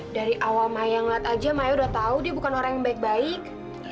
dari awal maya ngeliat aja maya sudah tahu dia bukan orang yang baik baik